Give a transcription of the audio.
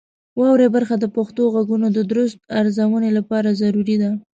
واورئ برخه د پښتو غږونو د درست ارزونې لپاره ضروري ده.